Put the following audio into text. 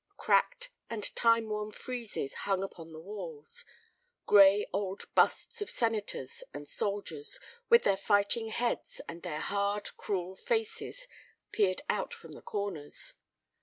Cracked and timeworn friezes hung upon the walls, grey old busts of senators and soldiers with their fighting heads and their hard, cruel faces peered out from the corners.